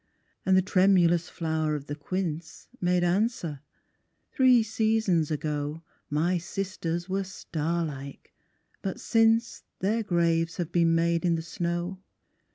And the tremulous flower of the quince Made answer, "three seasons ago My sisters were star like, but since, Their graves have been made in the snow."